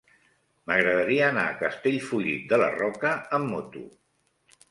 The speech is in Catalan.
M'agradaria anar a Castellfollit de la Roca amb moto.